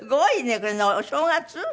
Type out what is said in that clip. これお正月？